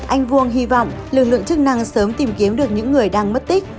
anh vuông hy vọng lực lượng chức năng sớm tìm kiếm được những người đang mất tích